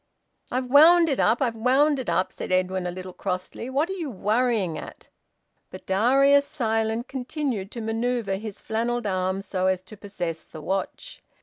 "I've wound it up! I've wound it up!" said Edwin, a little crossly. "What are you worrying at?" But Darius, silent, continued to manoeuvre his flannelled arm so as to possess the watch.